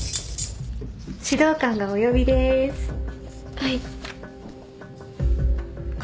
はい。